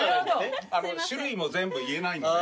種類も全部言えないので。